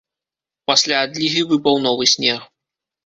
Пасля адлігі выпаў новы снег.